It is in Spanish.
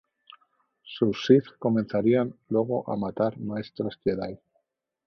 Sus Sith comenzarían luego a matar Maestros Jedi.